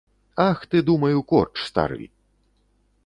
Ах ты, думаю, корч стары!